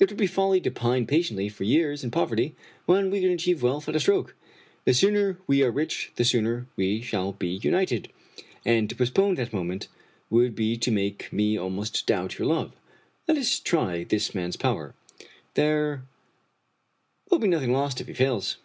It would be folly to pine patiently for years in poverty, when we can achieve wealth at a stroke. The sooner we are rich the sooner we shall be united, and to postpone that moment would be to make me almost doubt your love. Let us try this man's power. There will be nothing lost if he fails."